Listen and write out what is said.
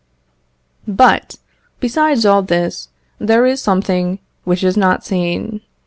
But, besides all this, there is something which is not seen.